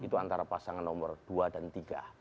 itu antara pasangan nomor dua dan tiga